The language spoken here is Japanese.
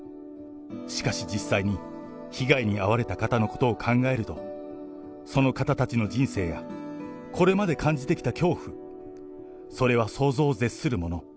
しかし、実際に被害に遭われた方のことを考えると、その方たちの人生や、これまで感じてきた恐怖、それは想像を絶するもの。